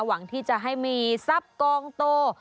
หวังที่จะให้มีทรัพย์กองโต